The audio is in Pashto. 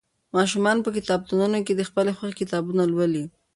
ماشومان په کتابتونونو کې د خپلې خوښې کتابونه لولي.